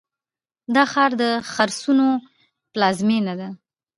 دا ښار د خرسونو پلازمینه ده.